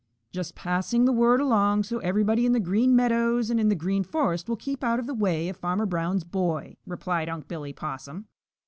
"Just passing the word along so everybody in the Green Meadows and in the Green Forest will keep out of the way of Farmer Brown's boy," replied Unc' Billy Possum.